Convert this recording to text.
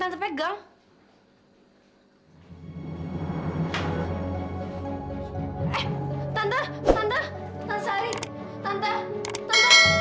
tante sadar tante